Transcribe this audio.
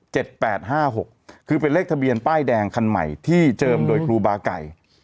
แปดห้าหกคือเป็นเลขทะเบียนป้ายแดงคันใหม่ที่เจิมโดยครูบาไก่